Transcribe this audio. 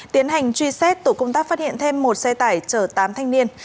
tiến hành truy xét tổ công tác phát hiện thêm một xe tải chở tám thanh niên